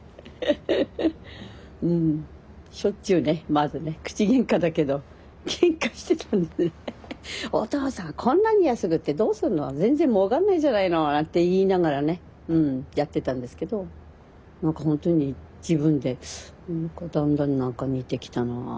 しょっちゅうねまずね口げんかだけどけんかしてたんでね「お父さんこんなに安く売ってどうすんの全然もうかんないじゃないの」なんて言いながらねうんやってたんですけど何かほんとに自分で何かだんだん何か似てきたな。